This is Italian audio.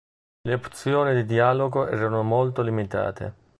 Le opzioni di dialogo erano molto limitate.